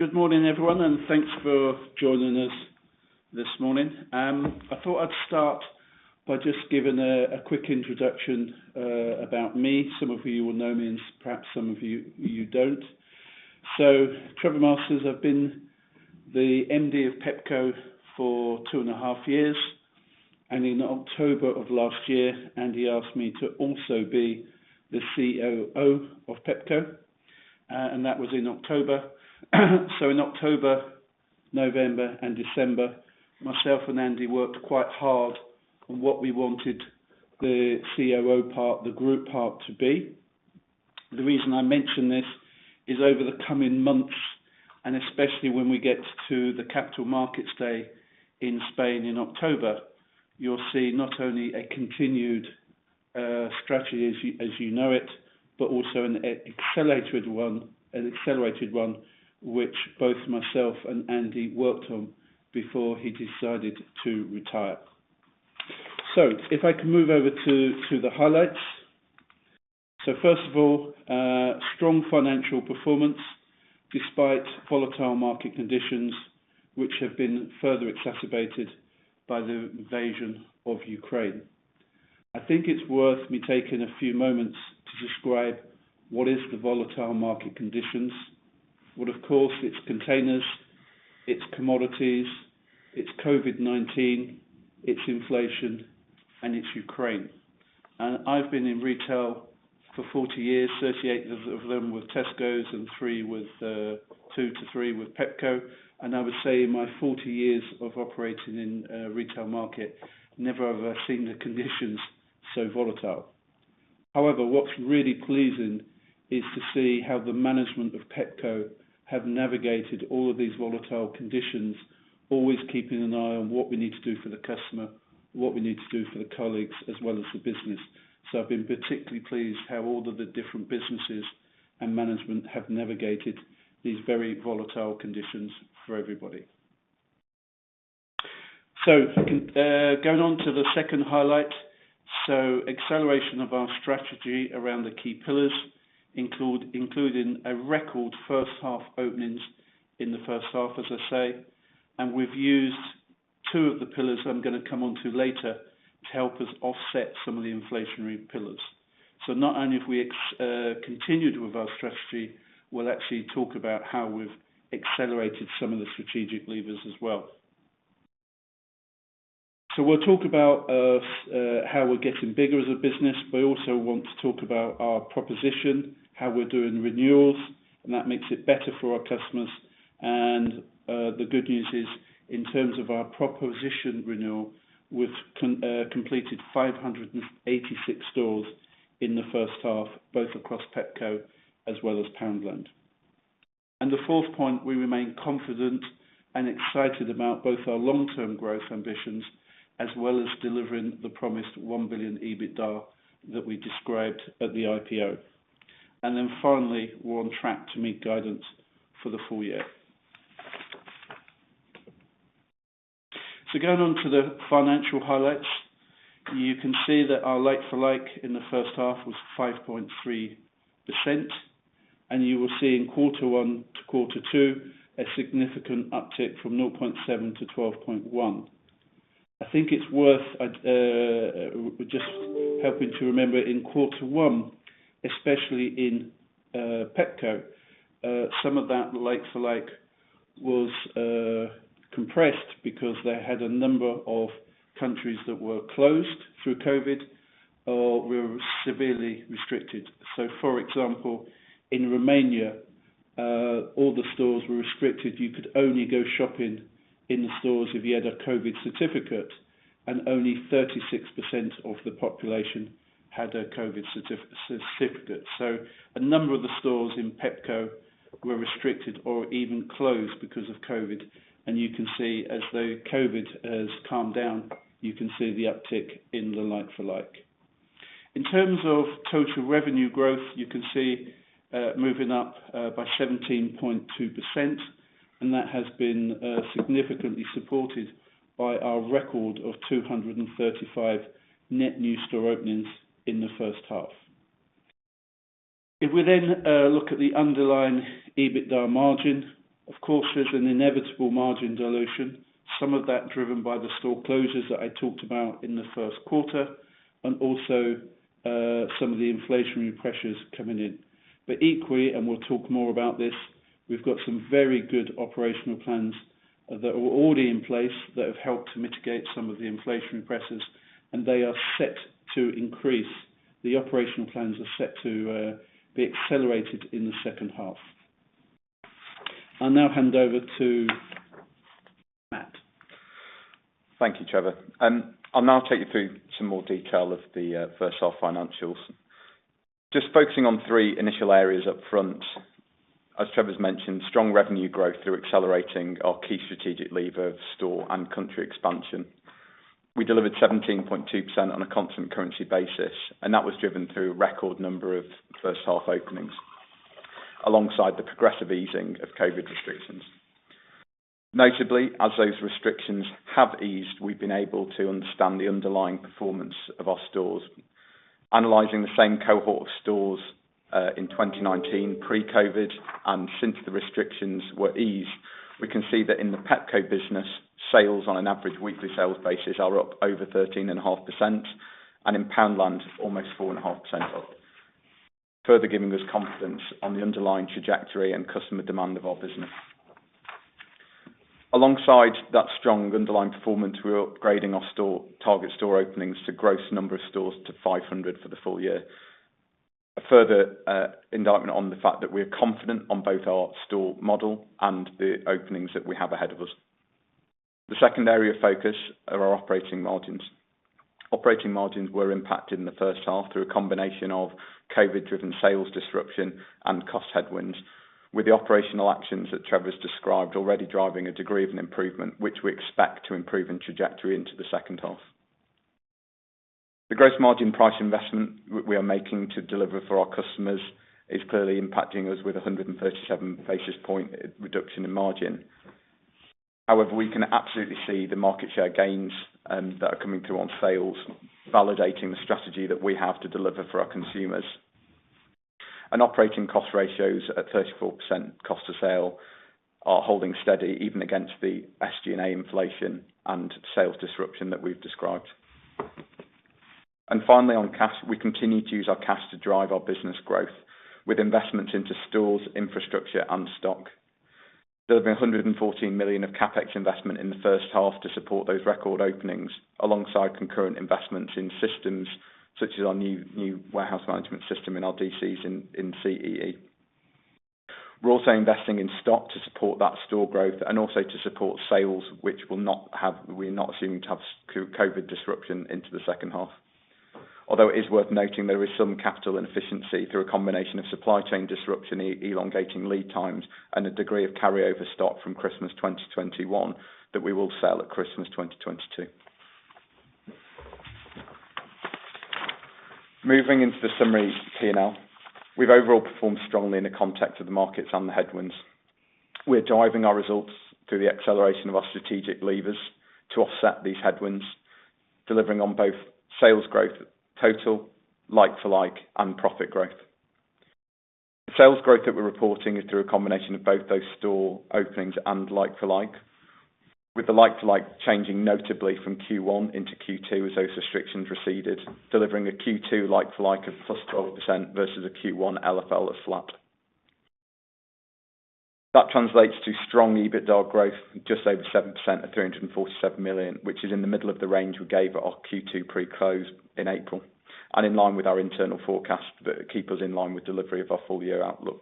Good morning everyone, and thanks for joining us this morning. I thought I'd start by just giving a quick introduction about me. Some of you will know me, and perhaps some of you don't. Trevor Masters, I've been the MD of Pepco for two and a half years, and in October of last year, Andy asked me to also be the COO of Pepco, and that was in October. In October, November, and December, myself and Andy worked quite hard on what we wanted the COO part, the group part to be. The reason I mention this is over the coming months, and especially when we get to the Capital Markets Day in Spain in October, you'll see not only a continued strategy as you know it, but also an accelerated one which both myself and Andy worked on before he decided to retire. If I can move over to the highlights. First of all, strong financial performance despite volatile market conditions which have been further exacerbated by the invasion of Ukraine. I think it's worth me taking a few moments to describe what is the volatile market conditions. Well, of course, it's containers, it's commodities, it's COVID-19, it's inflation, and it's Ukraine. I've been in retail for 40 years, 38 of them with Tesco and two to three with Pepco. I would say in my 40 years of operating in a retail market, never have I seen the conditions so volatile. However, what's really pleasing is to see how the management of Pepco have navigated all of these volatile conditions, always keeping an eye on what we need to do for the customer, what we need to do for the colleagues, as well as the business. I've been particularly pleased how all of the different businesses and management have navigated these very volatile conditions for everybody. Going on to the second highlight. Acceleration of our strategy around the key pillars, including a record first half openings in the first half, as I say. We've used two of the pillars I'm gonna come onto later to help us offset some of the inflationary pillars. Not only have we continued with our strategy, we'll actually talk about how we've accelerated some of the strategic levers as well. We'll talk about how we're getting bigger as a business. We also want to talk about our proposition, how we're doing renewals, and that makes it better for our customers. The good news is, in terms of our proposition renewal, we've completed 586 stores in the first half, both across Pepco as well as Poundland. The fourth point, we remain confident and excited about both our long term growth ambitions, as well as delivering the promised 1 billion EBITDA that we described at the IPO. Finally, we're on track to meet guidance for the full year. Going on to the financial highlights, you can see that our like for like in the first half was 5.3%. You will see in quarter one to quarter two, a significant uptick from 0.7%-12.1%. I think it's worth just helping to remember in quarter one, especially in Pepco, some of that like for like was compressed because they had a number of countries that were closed through COVID or were severely restricted. For example, in Romania, all the stores were restricted. You could only go shopping in the stores if you had a COVID certificate, and only 36% of the population had a COVID certificate. A number of the stores in Pepco were restricted or even closed because of COVID. You can see as though COVID-19 has calmed down, you can see the uptick in the like for like. In terms of total revenue growth, you can see moving up by 17.2%, and that has been significantly supported by our record of 235 net new store openings in the first half. If we then look at the underlying EBITDA margin, of course, there's an inevitable margin dilution, some of that driven by the store closures that I talked about in the first quarter and also some of the inflationary pressures coming in. Equally, and we'll talk more about this, we've got some very good operational plans that are already in place that have helped to mitigate some of the inflationary pressures, and they are set to increase. The operational plans are set to be accelerated in the second half. I'll now hand over to Mat. Thank you, Trevor. I'll now take you through some more detail of the first half financials. Just focusing on three initial areas up front. As Trevor's mentioned, strong revenue growth through accelerating our key strategic lever of store and country expansion. We delivered 17.2% on a constant currency basis, and that was driven through a record number of first half openings alongside the progressive easing of COVID restrictions. Notably, as those restrictions have eased, we've been able to understand the underlying performance of our stores. Analyzing the same cohort of stores in 2019 pre-COVID, and since the restrictions were eased, we can see that in the Pepco business, sales on an average weekly sales basis are up over 13.5%, and in Poundland, it's almost 4.5% up. Further giving us confidence on the underlying trajectory and customer demand of our business. Alongside that strong underlying performance, we're upgrading our store target store openings to gross number of stores to 500 for the full year. A further indictment on the fact that we are confident on both our store model and the openings that we have ahead of us. The second area of focus are our operating margins. Operating margins were impacted in the first half through a combination of COVID driven sales disruption and cost headwinds, with the operational actions that Trevor's described already driving a degree of an improvement which we expect to improve in trajectory into the second half. The gross margin price investment we are making to deliver for our customers is clearly impacting us with a 137 basis point reduction in margin. However, we can absolutely see the market share gains that are coming through on sales, validating the strategy that we have to deliver for our consumers. Operating cost ratios at 34% cost of sale are holding steady even against the SG&A inflation and sales disruption that we've described. Finally, on cash, we continue to use our cash to drive our business growth with investments into stores, infrastructure, and stock. There has been 114 million of CapEx investment in the first half to support those record openings alongside concurrent investments in systems such as our new warehouse management system in our DCs in CEE. We're also investing in stock to support that store growth and also to support sales. We're not assuming to have COVID-19 disruption into the second half. Although it is worth noting there is some capital inefficiency through a combination of supply chain disruption, e-elongating lead times and a degree of carryover stock from Christmas 2021 that we will sell at Christmas 2022. Moving into the summary P&L. We've overall performed strongly in the context of the markets and the headwinds. We're driving our results through the acceleration of our strategic levers to offset these headwinds, delivering on both sales growth, total, like-for-like, and profit growth. The sales growth that we're reporting is through a combination of both those store openings and like-for-like, with the like-for-like changing notably from Q1 into Q2 as those restrictions receded, delivering a Q2 like-for-like of +12% versus a Q1 LFL of flat. That translates to strong EBITDA growth, just over 7% at 347 million, which is in the middle of the range we gave at our Q2 pre-close in April, and in line with our internal forecast that keep us in line with delivery of our full year outlook.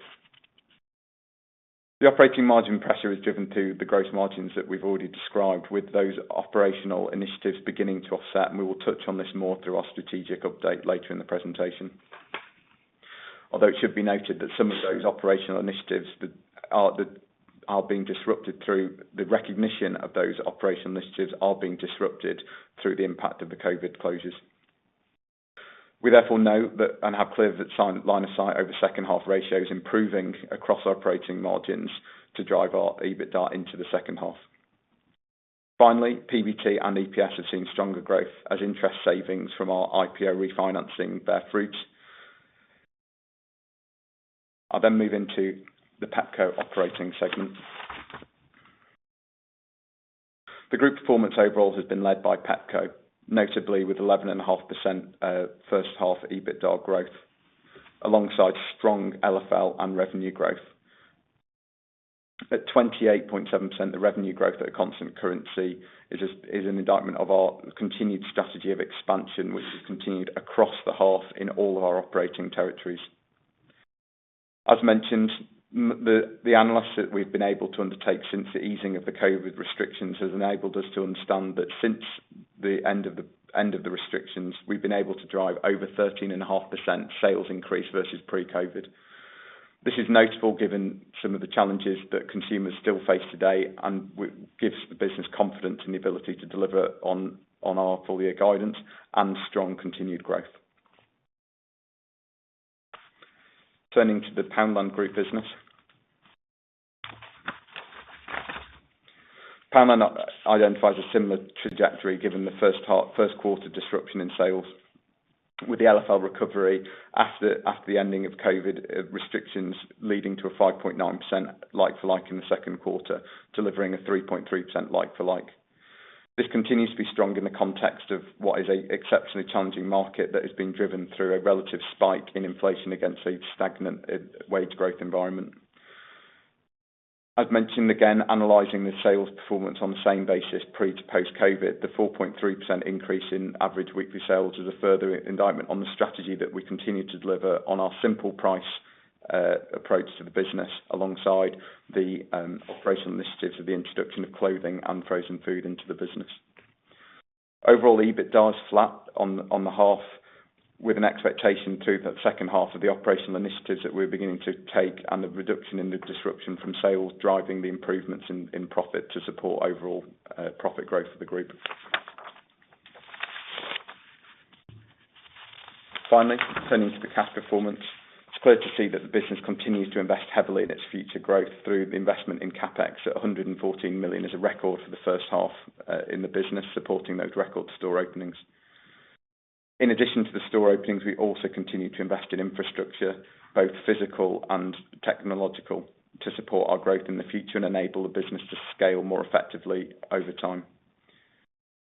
The operating margin pressure is driven through the gross margins that we've already described with those operational initiatives beginning to offset, and we will touch on this more through our strategic update later in the presentation. Although it should be noted that some of those operational initiatives that are being disrupted through the impact of the COVID closures. We therefore know that, and are clear that line of sight over second half ratios improving across our operating margins to drive our EBITDA into the second half. Finally, PBT and EPS have seen stronger growth as interest savings from our IPO refinancing bear fruit. I'll move into the Pepco operating segment. The group performance overall has been led by Pepco, notably with 11.5% first half EBITDA growth alongside strong LFL and revenue growth. At 28.7%, the revenue growth at a constant currency is an indictment of our continued strategy of expansion, which has continued across the half in all of our operating territories. As mentioned, the analysis that we've been able to undertake since the easing of the COVID restrictions has enabled us to understand that since the end of the restrictions, we've been able to drive over 13.5% sales increase versus pre-COVID. This is notable given some of the challenges that consumers still face today and gives the business confidence in the ability to deliver on our full year guidance and strong continued growth. Turning to the Poundland Group business. Poundland identifies a similar trajectory given the first quarter disruption in sales with the LFL recovery after the ending of COVID restrictions leading to a 5.9% like-for-like in the second quarter, delivering a 3.3% like-for-like. This continues to be strong in the context of what is an exceptionally challenging market that has been driven through a relative spike in inflation against a stagnant wage growth environment. As mentioned again, analyzing the sales performance on the same basis, pre to post COVID, the 4.3% increase in average weekly sales is a further indication of the strategy that we continue to deliver on our simple price approach to the business alongside the operational initiatives of the introduction of clothing and frozen food into the business. Overall, EBITDA is flat on the half with an expectation through the second half of the operational initiatives that we're beginning to take and the reduction in the disruption from sales driving the improvements in profit to support overall profit growth for the group. Finally, turning to the cash performance. It's clear to see that the business continues to invest heavily in its future growth through the investment in CapEx at 114 million is a record for the first half, in the business, supporting those record store openings. In addition to the store openings, we also continue to invest in infrastructure, both physical and technological, to support our growth in the future and enable the business to scale more effectively over time.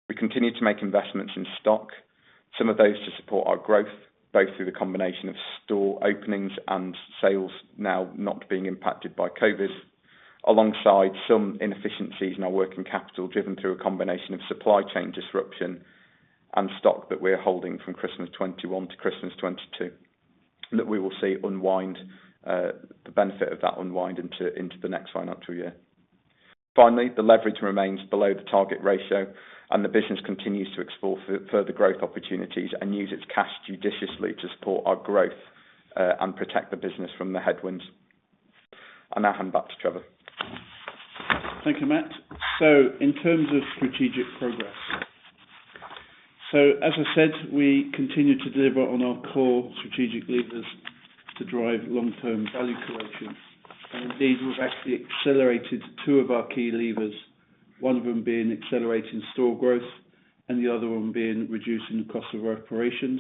We continue to make investments in stock, some of those to support our growth, both through the combination of store openings and sales now not being impacted by COVID, alongside some inefficiencies in our working capital, driven through a combination of supply chain disruption and stock that we're holding from Christmas 2021 to Christmas 2022 that we will see unwind, the benefit of that unwind into the next financial year. Finally, the leverage remains below the target ratio and the business continues to explore further growth opportunities and use its cash judiciously to support our growth, and protect the business from the headwinds. I'll now hand back to Trevor. Thank you, Mat. In terms of strategic progress, as I said, we continue to deliver on our core strategic levers to drive long-term value creation. Indeed, we've actually accelerated two of our key levers, one of them being accelerating store growth and the other one being reducing the cost of operations,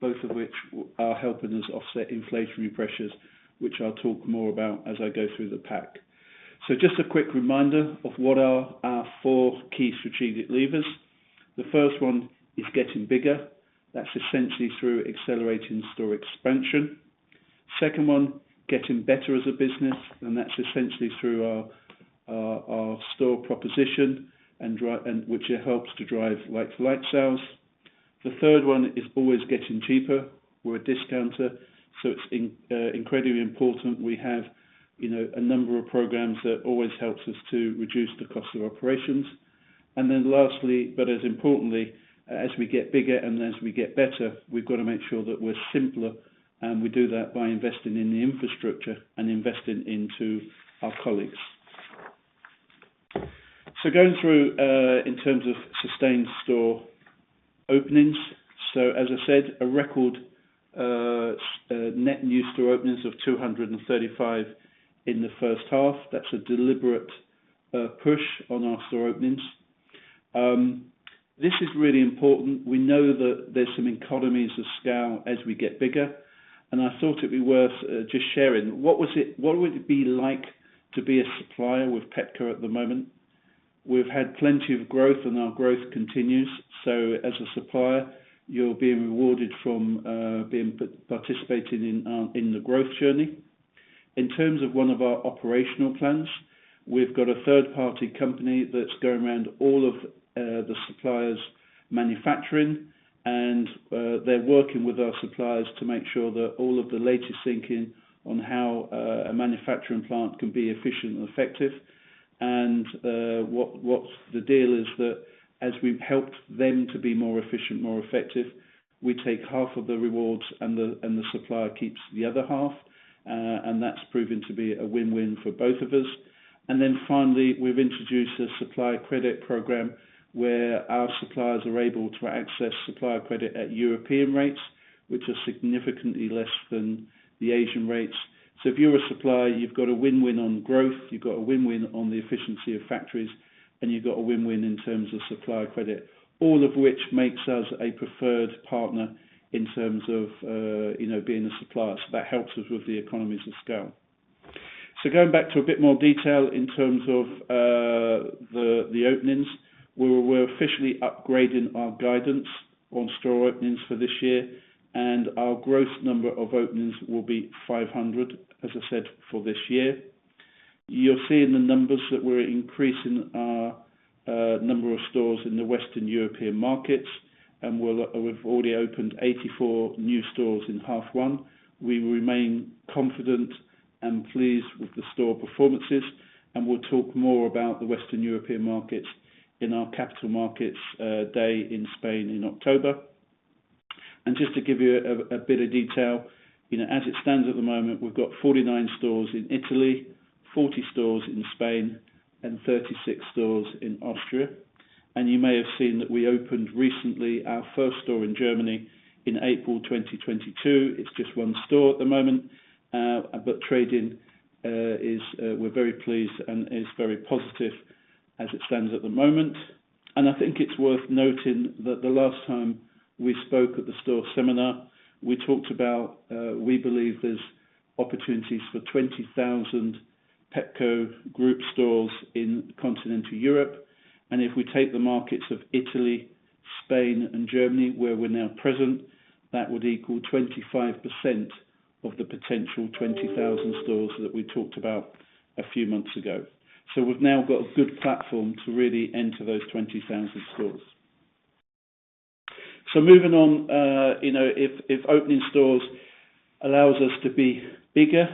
both of which are helping us offset inflationary pressures, which I'll talk more about as I go through the pack. Just a quick reminder of what are our four key strategic levers. The first one is getting bigger. That's essentially through accelerating store expansion. Second one, getting better as a business, and that's essentially through our store proposition and which it helps to drive like-for-like sales. The third one is always getting cheaper. We're a discounter, so it's incredibly important we have, you know, a number of programs that always helps us to reduce the cost of operations. Then lastly, but as importantly, as we get bigger and as we get better, we've got to make sure that we're simpler, and we do that by investing in the infrastructure and investing into our colleagues. Going through in terms of sustained store openings. As I said, a record net new store openings of 235 in the first half. That's a deliberate push on our store openings. This is really important. We know that there's some economies of scale as we get bigger, and I thought it'd be worth just sharing what would it be like to be a supplier with Pepco at the moment? We've had plenty of growth and our growth continues, so as a supplier, you're being rewarded from being participating in the growth journey. In terms of one of our operational plans, we've got a third-party company that's going around all of the suppliers manufacturing and they're working with our suppliers to make sure that all of the latest thinking on how a manufacturing plant can be efficient and effective. What the deal is that as we've helped them to be more efficient, more effective, we take half of the rewards and the supplier keeps the other half. That's proven to be a win-win for both of us. Finally, we've introduced a supplier credit program where our suppliers are able to access supplier credit at European rates, which are significantly less than the Asian rates. If you're a supplier, you've got a win-win on growth, you've got a win-win on the efficiency of factories, and you've got a win-win in terms of supplier credit, all of which makes us a preferred partner in terms of, you know, being a supplier. That helps us with the economies of scale. Going back to a bit more detail in terms of the openings. We're officially upgrading our guidance on store openings for this year, and our growth number of openings will be 500, as I said, for this year. You'll see in the numbers that we're increasing our number of stores in the Western European markets, and we've already opened 84 new stores in half one. We remain confident and pleased with the store performances, and we'll talk more about the Western European markets in our Capital Markets Day in Spain in October. Just to give you a bit of detail, you know, as it stands at the moment, we've got 49 stores in Italy, 40 stores in Spain, and 36 stores in Austria. You may have seen that we opened recently our first store in Germany in April 2022. It's just one store at the moment, but trading, we're very pleased and it's very positive as it stands at the moment. I think it's worth noting that the last time we spoke at the store seminar, we talked about we believe there's opportunities for 20,000 Pepco Group stores in continental Europe. If we take the markets of Italy, Spain, and Germany, where we're now present, that would equal 25% of the potential 20,000 stores that we talked about a few months ago. We've now got a good platform to really enter those 20,000 stores. Moving on, you know, if opening stores allows us to be bigger,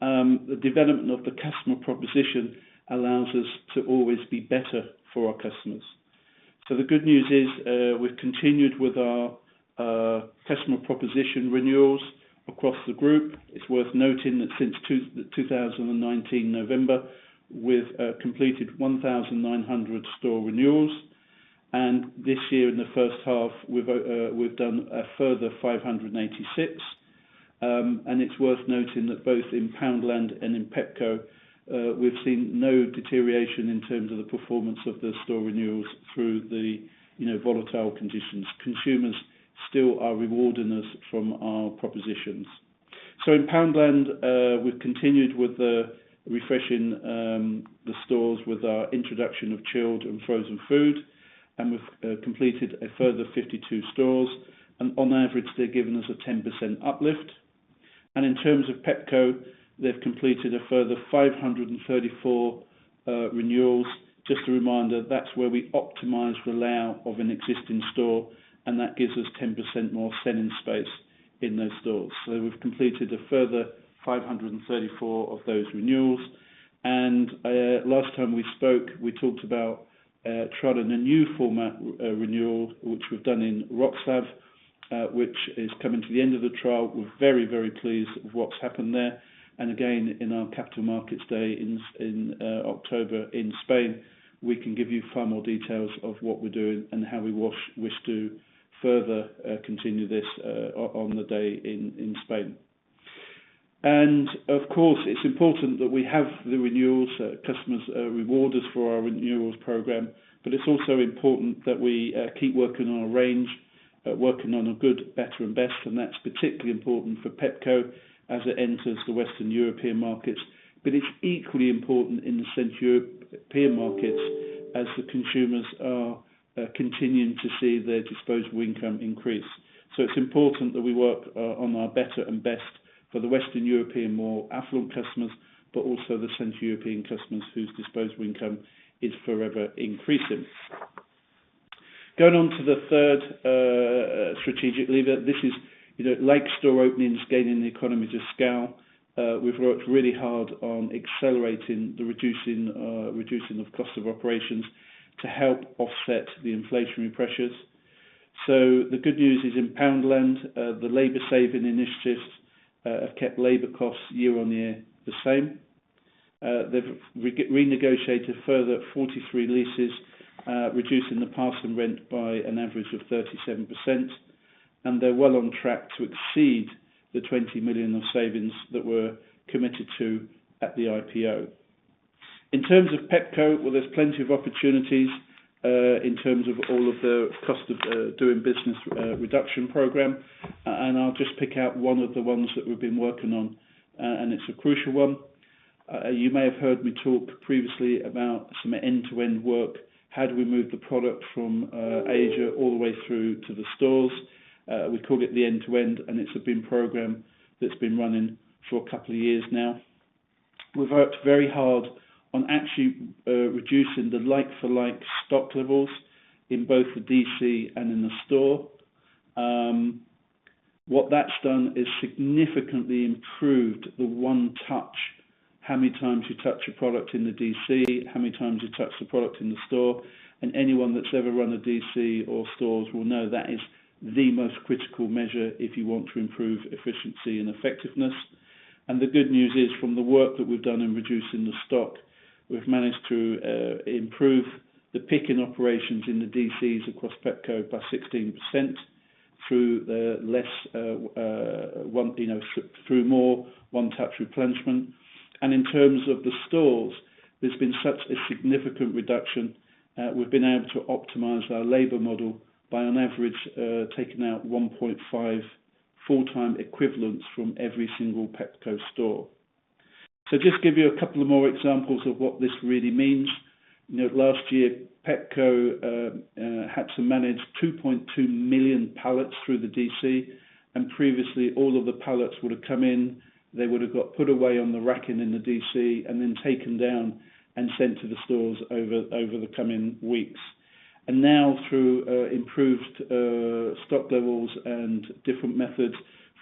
the development of the customer proposition allows us to always be better for our customers. The good news is, we've continued with our customer proposition renewals. Across the group, it's worth noting that since 2019 November, we've completed 1,900 store renewals, and this year in the first half, we've done a further 596. It's worth noting that both in Poundland and in Pepco, we've seen no deterioration in terms of the performance of the store renewals through the, you know, volatile conditions. Consumers still are rewarding us for our propositions. In Poundland, we've continued with the refreshing the stores with our introduction of chilled and frozen food, and we've completed a further 52 stores. On average, they're giving us a 10% uplift. In terms of Pepco, they've completed a further 534 renewals. Just a reminder, that's where we optimize the layout of an existing store, and that gives us 10% more selling space in those stores. We've completed a further 534 of those renewals. Last time we spoke, we talked about trialing a new format renewal, which we've done in Wrocław, which is coming to the end of the trial. We're very pleased with what's happened there. Again, in our Capital Markets Day in October in Spain, we can give you far more details of what we're doing and how we wish to further continue this on the day in Spain. Of course, it's important that we have the renewals customers reward us for our renewals program, but it's also important that we keep working on our range, working on a good, better, and best, and that's particularly important for Pepco as it enters the Western European markets. It's equally important in the Central European markets as the consumers are continuing to see their disposable income increase. It's important that we work on our better and best for the Western European more affluent customers, but also the Central European customers whose disposable income is forever increasing. Going on to the third strategic lever. This is, you know, like store openings, gaining the economies of scale. We've worked really hard on accelerating the reducing of costs of operations to help offset the inflationary pressures. The good news is in Poundland, the labor-saving initiatives have kept labor costs year-on-year the same. They've renegotiated a further 43 leases, reducing the passing rent by an average of 37%, and they're well on track to exceed the 20 million of savings that we're committed to at the IPO. In terms of Pepco, well, there's plenty of opportunities in terms of all of the cost of doing business reduction program. I'll just pick out one of the ones that we've been working on, and it's a crucial one. You may have heard me talk previously about some end-to-end work. How do we move the product from Asia all the way through to the stores? We call it the end-to-end, and it's a big program that's been running for a couple of years now. We've worked very hard on actually reducing the like for like stock levels in both the DC and in the store. What that's done is significantly improved the one touch, how many times you touch a product in the DC, how many times you touch the product in the store, and anyone that's ever run a DC or stores will know that is the most critical measure if you want to improve efficiency and effectiveness. The good news is from the work that we've done in reducing the stock, we've managed to improve the picking operations in the DCs across Pepco by 16% through more one touch replenishment. In terms of the stores, there's been such a significant reduction. We've been able to optimize our labor model by on average, taking out 1.5 full-time equivalents from every single Pepco store. Just give you a couple of more examples of what this really means. You know, last year, Pepco had to manage 2.2 million pallets through the DC, and previously all of the pallets would have come in, they would have got put away on the racking in the DC and then taken down and sent to the stores over the coming weeks. Now through improved stock levels and different methods,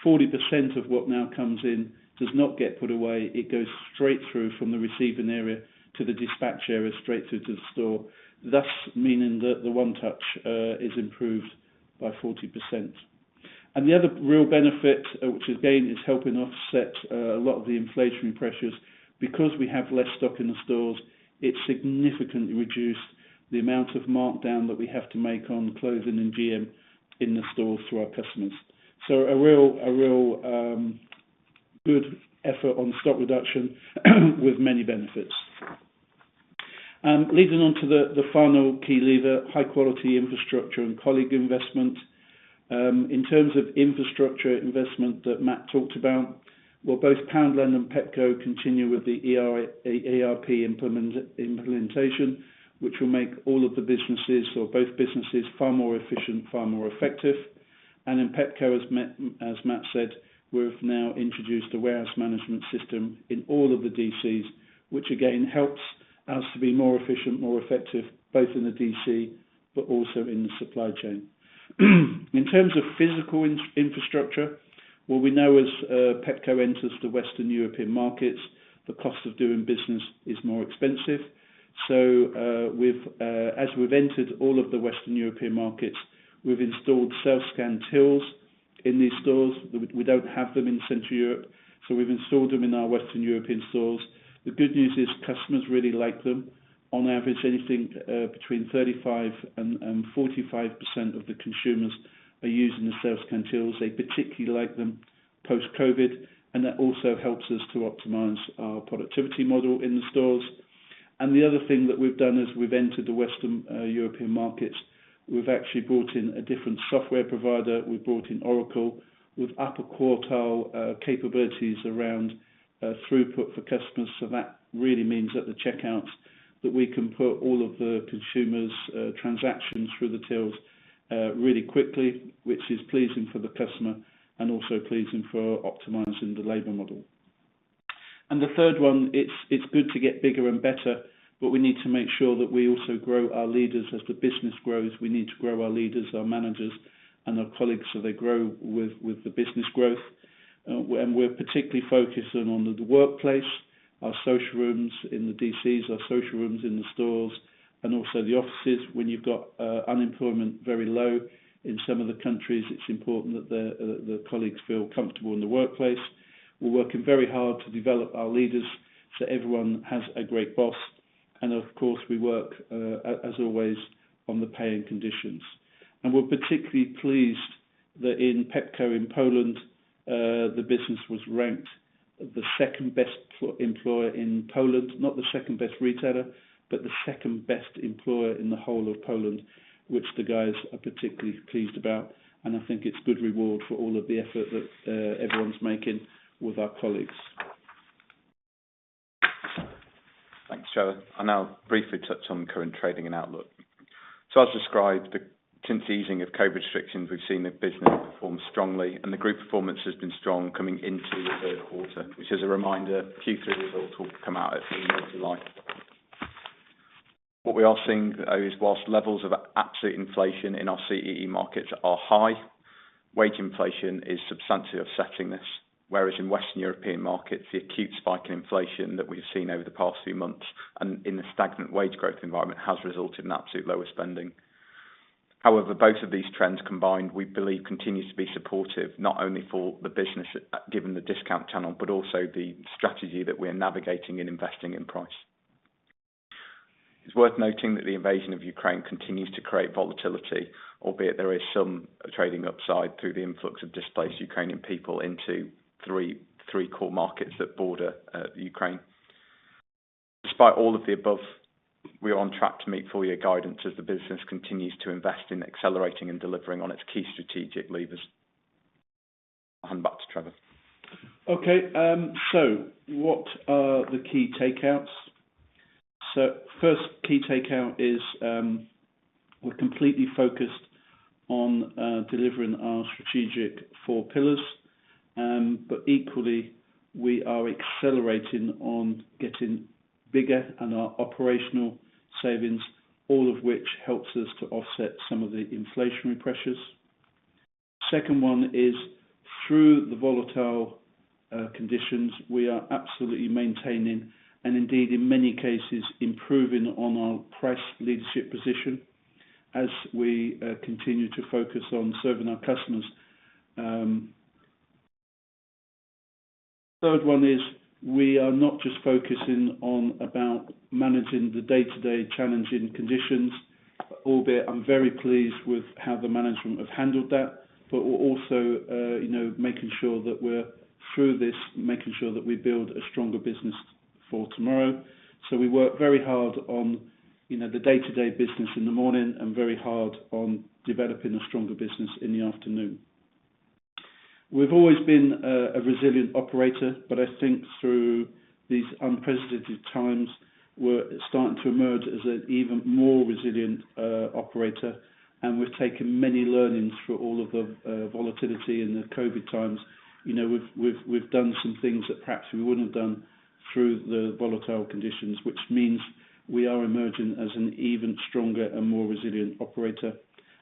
40% of what now comes in does not get put away. It goes straight through from the receiving area to the dispatch area straight through to the store. Thus, meaning that the one touch is improved by 40%. The other real benefit, which again, is helping offset a lot of the inflationary pressures, because we have less stock in the stores, it significantly reduced the amount of markdown that we have to make on clothing and GM in the stores through our customers. So a real good effort on stock reduction with many benefits. Leading on to the final key lever, high-quality infrastructure and colleague investment. In terms of infrastructure investment that Mat talked about, well, both Poundland and Pepco continue with the ERP implementation, which will make all of the businesses or both businesses far more efficient, far more effective. In Pepco, as Mat said, we've now introduced a warehouse management system in all of the DCs, which again helps us to be more efficient, more effective, both in the DC but also in the supply chain. In terms of physical infrastructure, well, we know as Pepco enters the Western European markets, the cost of doing business is more expensive. We've as we've entered all of the Western European markets, we've installed self-scan tills in these stores. We don't have them in Central Europe, so we've installed them in our Western European stores. The good news is customers really like them. On average, anything between 35% and 45% of the consumers are using the self-scan tills. They particularly like them post-COVID, and that also helps us to optimize our productivity model in the stores. The other thing that we've done as we've entered the Western European markets, we've actually brought in a different software provider. We brought in Oracle with upper quartile capabilities around throughput for customers. That really means at the checkouts that we can put all of the consumers transactions through the tills really quickly, which is pleasing for the customer and also pleasing for optimizing the labor model. The third one, it's good to get bigger and better, but we need to make sure that we also grow our leaders. As the business grows, we need to grow our leaders, our managers and our colleagues, so they grow with the business growth. We're particularly focusing on the workplace, our social rooms in the DCs, our social rooms in the stores, and also the offices. When you've got unemployment very low in some of the countries, it's important that the colleagues feel comfortable in the workplace. We're working very hard to develop our leaders so everyone has a great boss. Of course, we work as always on the pay and conditions. We're particularly pleased that in Pepco in Poland the business was ranked the second best employer in Poland. Not the second best retailer, but the second best employer in the whole of Poland, which the guys are particularly pleased about. I think it's good reward for all of the effort that everyone's making with our colleagues. Thanks, Trevor. I'll now briefly touch on current trading and outlook. As described, since easing of COVID restrictions, we've seen the business perform strongly and the group performance has been strong coming into the third quarter, which is a reminder, Q3 results will come out at the end of July. What we are seeing, though, is while levels of absolute inflation in our CEE markets are high, wage inflation is substantively offsetting this. Whereas in Western European markets, the acute spike in inflation that we've seen over the past few months and in the stagnant wage growth environment has resulted in absolutely lower spending. However, both of these trends combined, we believe, continues to be supportive, not only for the business, given the discount channel, but also the strategy that we're navigating in investing in price. It's worth noting that the invasion of Ukraine continues to create volatility, albeit there is some trading upside through the influx of displaced Ukrainian people into three core markets that border Ukraine. Despite all of the above, we are on track to meet full year guidance as the business continues to invest in accelerating and delivering on its key strategic levers. I'll hand back to Trevor. Okay, what are the key takeouts? First key takeout is, we're completely focused on delivering our strategic four pillars. Equally, we are accelerating on getting bigger and our operational savings, all of which helps us to offset some of the inflationary pressures. Second one is through the volatile conditions, we are absolutely maintaining and indeed in many cases, improving on our price leadership position as we continue to focus on serving our customers. Third one is we are not just focusing on about managing the day-to-day challenging conditions, albeit I'm very pleased with how the management have handled that. We're also, you know, making sure that we're through this, making sure that we build a stronger business for tomorrow. We work very hard on, you know, the day-to-day business in the morning and very hard on developing a stronger business in the afternoon. We've always been a resilient operator, but I think through these unprecedented times, we're starting to emerge as an even more resilient operator. We've taken many learnings through all of the volatility in the COVID times. You know, we've done some things that perhaps we wouldn't have done through the volatile conditions, which means we are emerging as an even stronger and more resilient operator.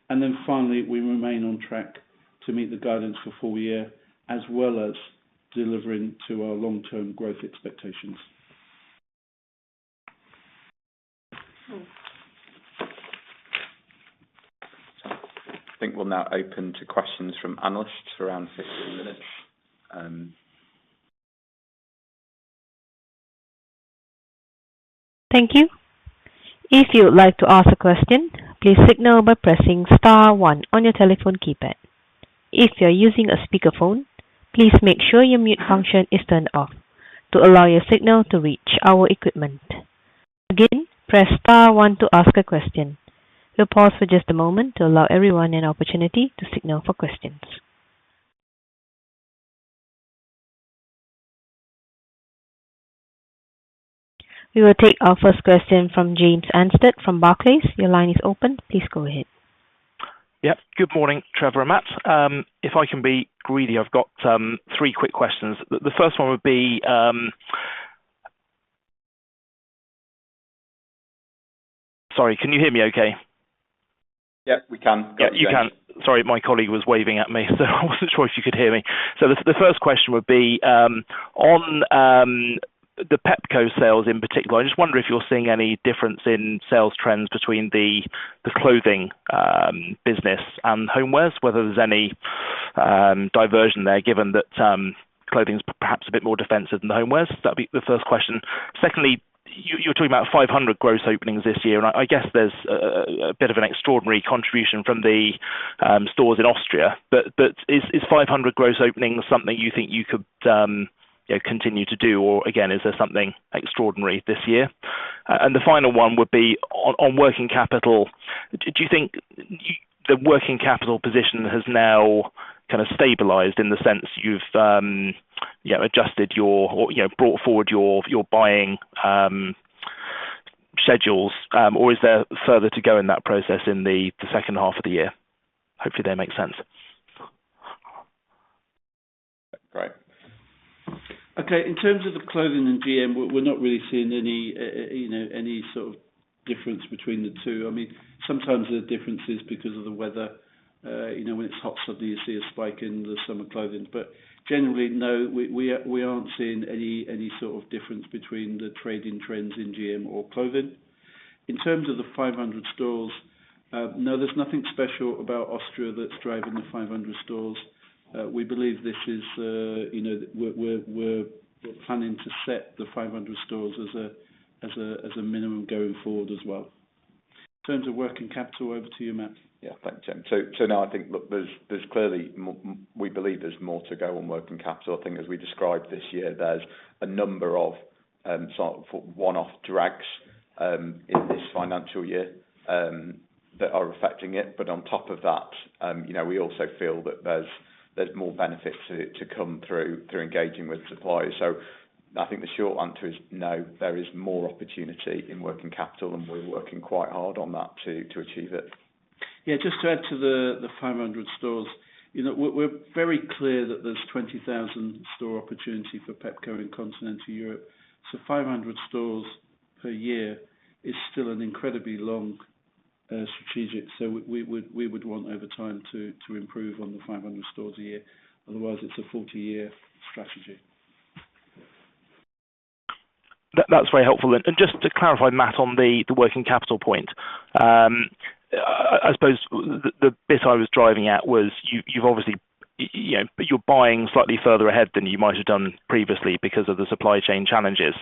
Then finally, we remain on track to meet the guidance for full year, as well as delivering to our long-term growth expectations. I think we'll now open to questions from analysts for around 60 minutes. Thank you. If you would like to ask a question, please signal by pressing star one on your telephone keypad. If you're using a speakerphone, please make sure your mute function is turned off to allow your signal to reach our equipment. Again, press star one to ask a question. We'll pause for just a moment to allow everyone an opportunity to signal for questions. We will take our first question from James Anstead from Barclays. Your line is open. Please go ahead. Yeah. Good morning, Trevor and Mat. If I can be greedy, I've got three quick questions. The first one would be. Sorry, can you hear me okay? Yeah, we can. Yeah, you can. Sorry, my colleague was waving at me, so I wasn't sure if you could hear me. The first question would be on the Pepco sales in particular. I just wonder if you're seeing any difference in sales trends between the clothing business and home wares, whether there's any divergence there, given that clothing's perhaps a bit more defensive than the home wares. That'd be the first question. Secondly, you're talking about 500 gross openings this year, and I guess there's a bit of an extraordinary contribution from the stores in Austria, but is 500 gross openings something you think you could continue to do, or again, is there something extraordinary this year? And the final one would be on working capital. Do you think the working capital position has now kind of stabilized in the sense you've you know adjusted your or you know brought forward your buying schedules or is there further to go in that process in the second half of the year? Hopefully that makes sense. Right. Okay. In terms of the clothing and GM, we're not really seeing any, you know, any sort of difference between the two. I mean, sometimes there are differences because of the weather. You know, when it's hot, suddenly you see a spike in the summer clothing. Generally, no, we aren't seeing any sort of difference between the trading trends in GM or clothing. In terms of the 500 stores, no, there's nothing special about Austria that's driving the 500 stores. We believe this is, you know. We're planning to set the 500 stores as a minimum going forward as well. In terms of working capital, over to you, Mat. Yeah, thanks, Jim. Now I think, look, we believe there's more to go on working capital. I think as we described this year, there's a number of sort of one-off drags in this financial year that are affecting it. On top of that, you know, we also feel that there's more benefits to come through engaging with suppliers. I think the short answer is no, there is more opportunity in working capital, and we're working quite hard on that to achieve it. Yeah, just to add to the 500 stores. You know, we're very clear that there's 20,000 store opportunity for Pepco in Continental Europe. 500 stores per year is still an incredibly long strategic. We would want over time to improve on the 500 stores a year. Otherwise, it's a 40-year strategy. That's very helpful. Just to clarify, Mat, on the working capital point, I suppose the bit I was driving at was you've obviously, you know, you're buying slightly further ahead than you might have done previously because of the supply chain challenges.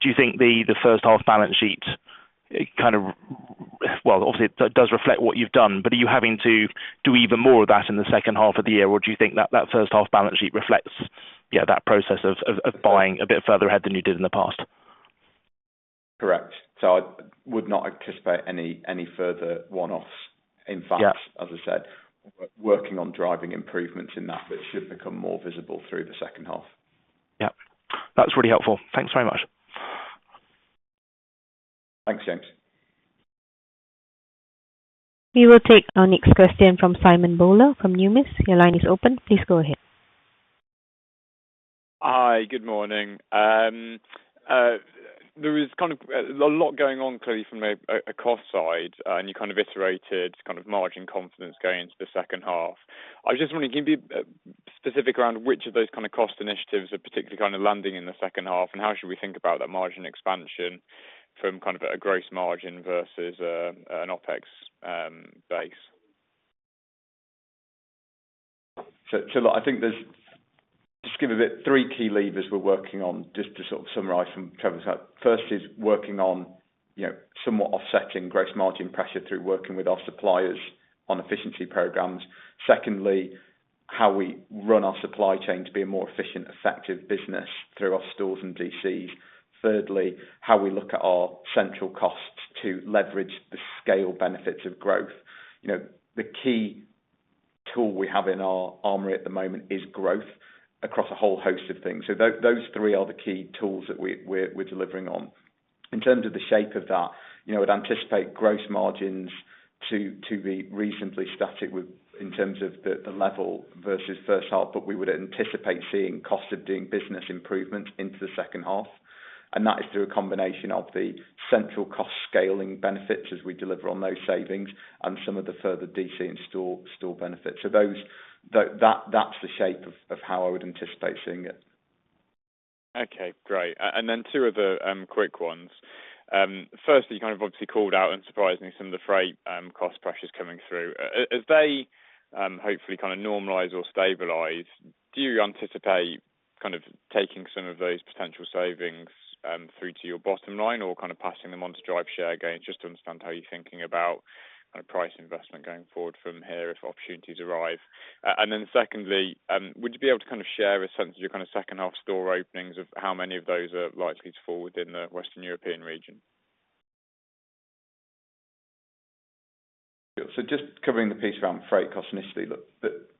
Do you think the first half balance sheet kind of reflects what you've done? Well, obviously it does reflect what you've done, but are you having to do even more of that in the second half of the year? Or do you think that first half balance sheet reflects, you know, that process of buying a bit further ahead than you did in the past? Correct. I would not anticipate any further one-offs. Yeah. As I said, working on driving improvements in that should become more visible through the second half. Yeah. That's really helpful. Thanks very much. Thanks, James. We will take our next question from Simon Bowler from Numis. Your line is open. Please go ahead. Hi, good morning. There is kind of a lot going on clearly from a cost side, and you kind of iterated kind of margin confidence going into the second half. I just wonder, can you be specific around which of those kind of cost initiatives are particularly kind of landing in the second half, and how should we think about that margin expansion from kind of a gross margin versus an OpEx base? Look, I think there's just three key levers we're working on just to sort of summarize from Trevor's side. First is working on, you know, somewhat offsetting gross margin pressure through working with our suppliers on efficiency programs. Secondly, how we run our supply chain to be a more efficient, effective business through our stores and DCs. Thirdly, how we look at our central costs to leverage the scale benefits of growth. You know, the key tool we have in our arsenal at the moment is growth across a whole host of things. Those three are the key tools that we're delivering on. In terms of the shape of that, you know, I'd anticipate gross margins to be reasonably static with, in terms of the level versus first half, but we would anticipate seeing cost of doing business improvements into the second half. That is through a combination of the central cost scaling benefits as we deliver on those savings and some of the further DC and store benefits. Those, that's the shape of how I would anticipate seeing it. Okay, great. Two other quick ones. First, you kind of obviously called out, unsurprisingly, some of the freight cost pressures coming through. As they hopefully kind of normalize or stabilize, do you anticipate kind of taking some of those potential savings through to your bottom line or kind of passing them on to drive share gains? Just to understand how you're thinking about kind of price investment going forward from here if opportunities arise. Second, would you be able to kind of share a sense of your kind of second half store openings of how many of those are likely to fall within the Western European region? Just covering the piece around the freight cost initially. Look,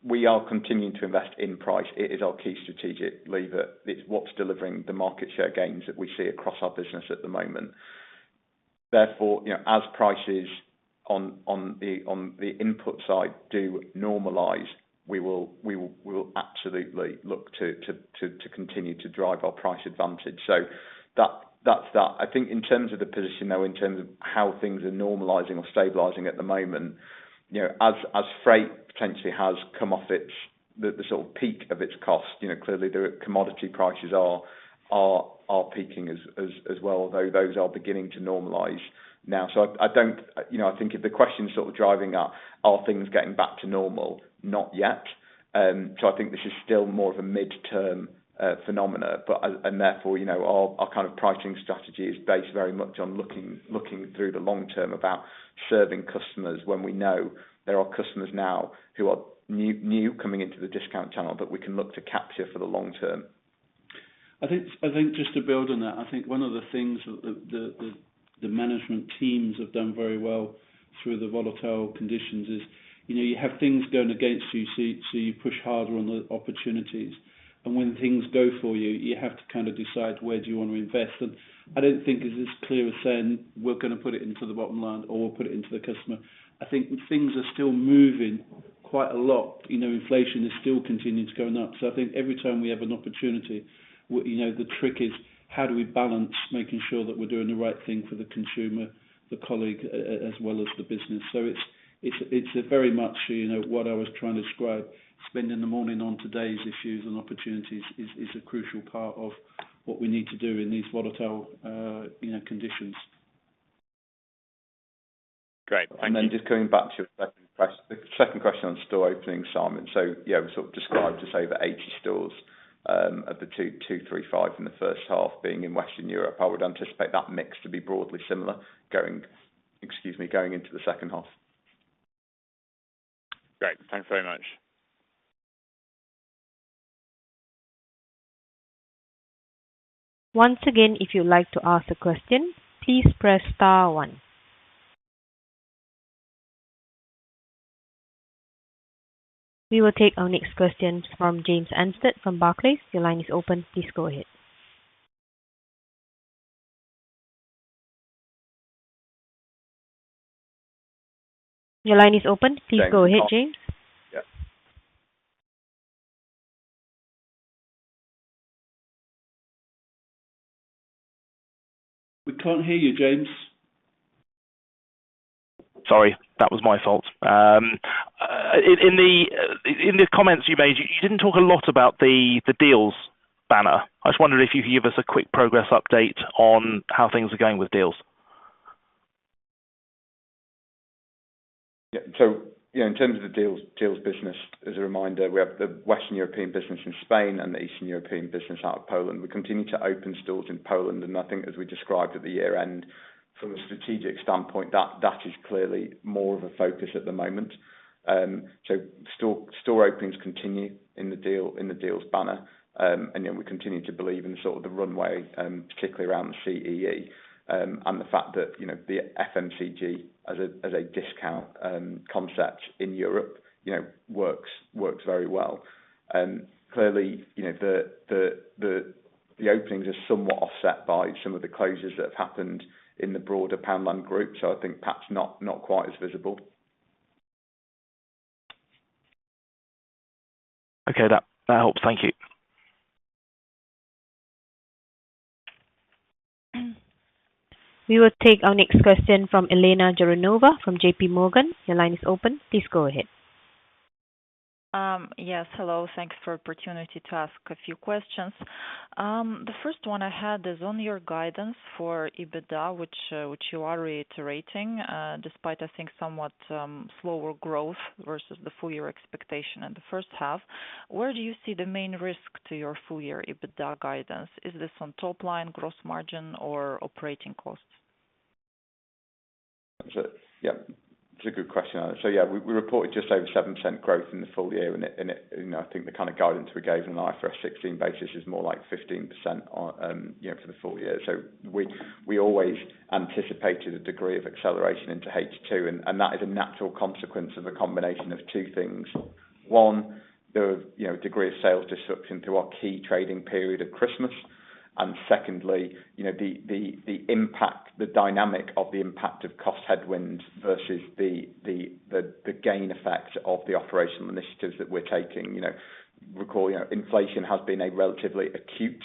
we are continuing to invest in price. It is our key strategic lever. It's what's delivering the market share gains that we see across our business at the moment. Therefore, you know, as prices on the input side do normalize, we will absolutely look to continue to drive our price advantage. That's that. I think in terms of the position, though, in terms of how things are normalizing or stabilizing at the moment, you know, as freight potentially has come off its, the sort of peak of its cost. You know, clearly the commodity prices are peaking as well, though those are beginning to normalize now. I don't. You know, I think if the question is sort of driving at, are things getting back to normal? Not yet. I think this is still more of a midterm phenomena. Therefore, you know, our kind of pricing strategy is based very much on looking through the long term about serving customers when we know there are customers now who are new coming into the discount channel that we can look to capture for the long term. I think just to build on that, I think one of the things that the management teams have done very well through the volatile conditions is, you know, you have things going against you, so you push harder on the opportunities. When things go for you have to kind of decide where do you want to invest. I don't think it's as clear as saying we're gonna put it into the bottom line or we'll put it into the customer. I think things are still moving quite a lot. You know, inflation is still continuing to go up. I think every time we have an opportunity, you know, the trick is how do we balance making sure that we're doing the right thing for the consumer, the colleague, as well as the business. It's a very much, you know, what I was trying to describe, spending the morning on today's issues and opportunities is a crucial part of what we need to do in these volatile, you know, conditions. Great. Thank you. Then just coming back to your second question on store openings, Simon. Yeah, we sort of described as over 80 stores of the 235 in the first half being in Western Europe. I would anticipate that mix to be broadly similar going, excuse me, going into the second half. Great. Thanks very much. Once again, if you'd like to ask a question, please press star one. We will take our next question from James Anstead from Barclays. Your line is open. Please go ahead. Your line is open. Please go ahead, James. Yeah. We can't hear you, James. Sorry, that was my fault. In the comments you made, you didn't talk a lot about the Dealz banner. I just wondered if you could give us a quick progress update on how things are going with Dealz? Yeah. You know, in terms of the Dealz business, as a reminder, we have the Western European business in Spain and the Eastern European business out of Poland. We continue to open stores in Poland, and I think as we described at the year end, from a strategic standpoint, that is clearly more of a focus at the moment. Store openings continue in the Dealz banner. And then we continue to believe in sort of the runway, particularly around the CEE, and the fact that, you know, the FMCG as a discount concept in Europe, you know, works very well. Clearly, you know, the openings are somewhat offset by some of the closures that have happened in the broader Poundland group, so I think perhaps not quite as visible. Okay. That helps. Thank you. We will take our next question from Elena Jouronova from JPMorgan. Your line is open. Please go ahead. Yes. Hello. Thanks for opportunity to ask a few questions. The first one I had is on your guidance for EBITDA, which you are reiterating, despite I think somewhat slower growth versus the full year expectation in the first half. Where do you see the main risk to your full year EBITDA guidance? Is this on top line gross margin or operating costs? Yeah, it's a good question. Yeah, we reported just over 7% growth in the full year, and it, you know, I think the kind of guidance we gave on an IFRS 16 basis is more like 15% on, you know, for the full year. We always anticipated a degree of acceleration into H2, and that is a natural consequence of a combination of two things. One, you know, the degree of sales disruption to our key trading period of Christmas. Secondly, you know, the impact, the dynamic of the impact of cost headwinds versus the gain effect of the operational initiatives that we're taking. You know, you know, inflation has been a relatively acute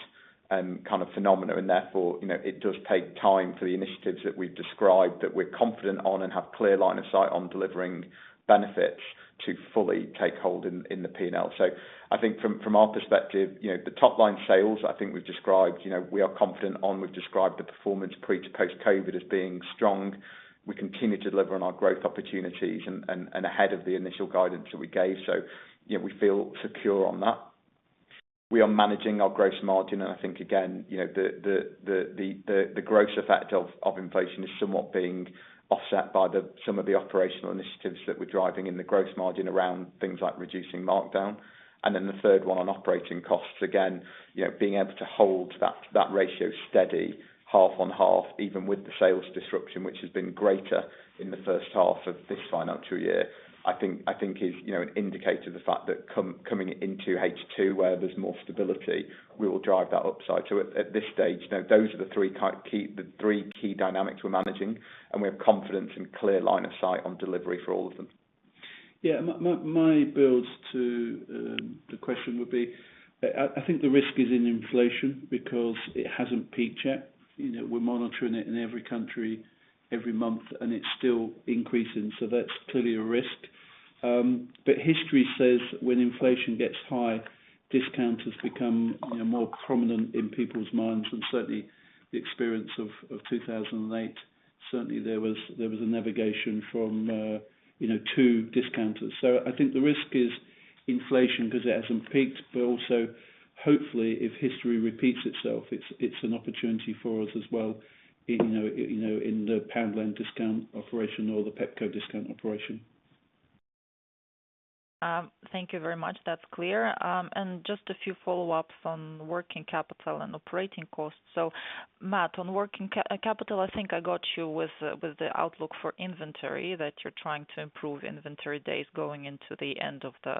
kind of phenomena and therefore, you know, it does take time for the initiatives that we've described that we're confident on and have clear line of sight on delivering benefits to fully take hold in the P&L. I think from our perspective, you know, the top line sales, I think we've described, you know, we are confident on. We've described the performance pre- to post-COVID as being strong. We continue to deliver on our growth opportunities and ahead of the initial guidance that we gave. You know, we feel secure on that. We are managing our gross margin. I think again, you know, the gross effect of inflation is somewhat being offset by some of the operational initiatives that we're driving in the gross margin around things like reducing markdown. Then the third one on operating costs, again, you know, being able to hold that ratio steady half on half, even with the sales disruption, which has been greater in the first half of this financial year, I think is, you know, an indicator of the fact that coming into H2 where there's more stability, we will drive that upside. At this stage, you know, those are the three key dynamics we're managing, and we have confidence and clear line of sight on delivery for all of them. Yeah. My build-up to the question would be, I think the risk is in inflation because it hasn't peaked yet. You know, we're monitoring it in every country every month, and it's still increasing. That's clearly a risk. History says when inflation gets high, discount has become, you know, more prominent in people's minds. Certainly the experience of 2008, there was a migration from, you know, to discounters. I think the risk is inflation because it hasn't peaked. Also, hopefully, if history repeats itself, it's an opportunity for us as well, you know, in the Poundland discount operation or the Pepco discount operation. Thank you very much. That's clear. Just a few follow-ups on working capital and operating costs. Mat, on working capital, I think I got you with the outlook for inventory that you're trying to improve inventory days going into the end of the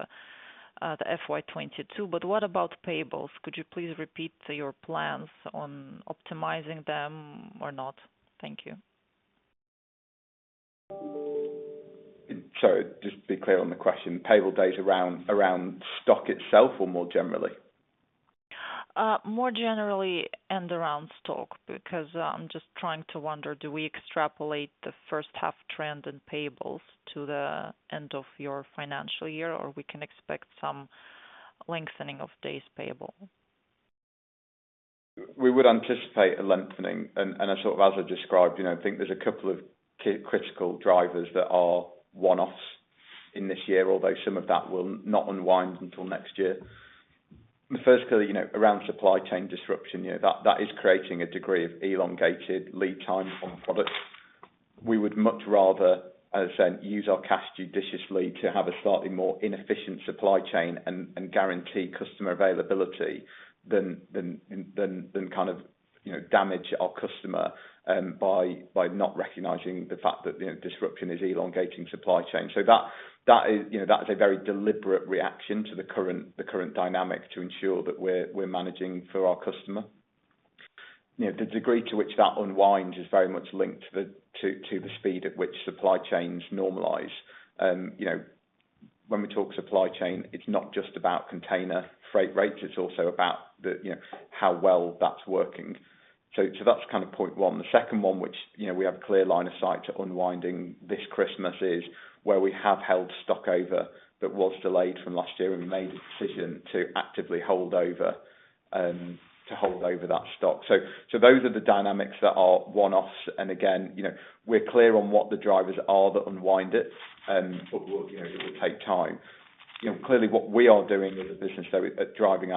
FY 2022. What about payables? Could you please repeat your plans on optimizing them or not? Thank you. Sorry, just to be clear on the question. Payable days around stock itself or more generally? More generally and around stock, because, I'm just trying to wonder, do we extrapolate the first half trend in payables to the end of your financial year, or we can expect some lengthening of days payable? We would anticipate a lengthening and sort of as I described, you know, I think there's a couple of critical drivers that are one-offs in this year, although some of that will not unwind until next year. The first, you know, around supply chain disruption, you know, that is creating a degree of elongated lead time on products. We would much rather, as I said, use our cash judiciously to have a slightly more inefficient supply chain and guarantee customer availability than kind of, you know, damage our customer by not recognizing the fact that, you know, disruption is elongating supply chain. That is a very deliberate reaction to the current dynamic to ensure that we're managing for our customer. You know, the degree to which that unwinds is very much linked to the speed at which supply chains normalize. You know, when we talk supply chain, it's not just about container freight rates, it's also about the, you know, how well that's working. So that's kind of point one. The second one, which, you know, we have clear line of sight to unwinding this Christmas is where we have held stock over that was delayed from last year and made a decision to actively hold over to hold over that stock. So those are the dynamics that are one-offs. Again, you know, we're clear on what the drivers are that unwind it, but, you know, it will take time. You know, clearly what we are doing as a business though, is driving,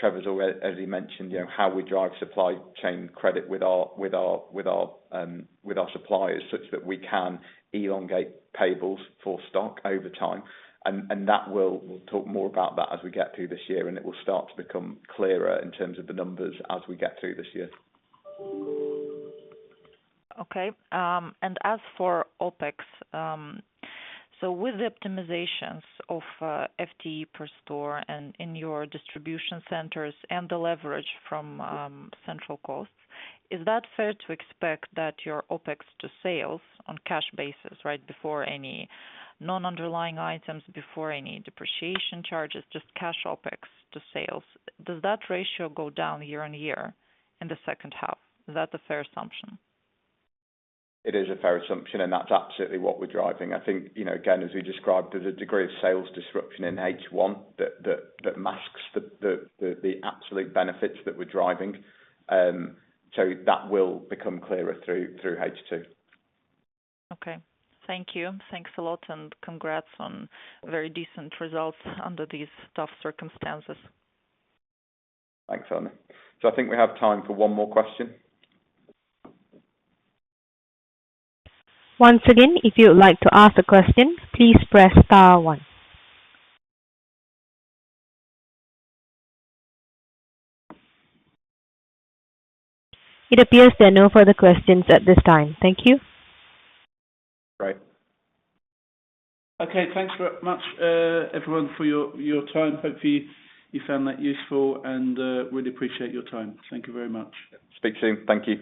Trevor as well as he mentioned, you know, how we drive supply chain credit with our suppliers such that we can elongate payables for stock over time. That we'll talk more about that as we get through this year, and it will start to become clearer in terms of the numbers as we get through this year. Okay. As for OpEx, with the optimizations of FTE per store and in your distribution centers and the leverage from central costs, is that fair to expect that your OpEx to sales on cash basis, right before any non-underlying items, before any depreciation charges, just cash OpEx to sales, does that ratio go down year-on-year in the second half? Is that a fair assumption? It is a fair assumption, and that's absolutely what we're driving. I think, you know, again, as we described, there's a degree of sales disruption in H1 that masks the absolute benefits that we're driving. So that will become clearer through H2. Okay. Thank you. Thanks a lot, and congrats on very decent results under these tough circumstances. Thanks, Elena Jouronova. I think we have time for one more question. Once again, if you'd like to ask a question, please press star one. It appears there are no further questions at this time. Thank you. Great. Okay, thanks very much, everyone for your time. Hopefully you found that useful and really appreciate your time. Thank you very much. Speak to you. Thank you.